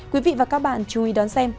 quý vị và các bạn chú ý đón xem